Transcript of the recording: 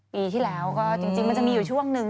ปีที่แล้วก็จริงมันจะมีอยู่ช่วงหนึ่ง